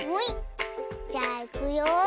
じゃあいくよ。